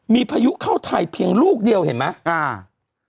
มีพายุเข้าไทยเพียงลูกเดียวเห็นไหมอ่า